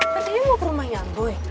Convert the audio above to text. ternyata mau ke rumahnya boy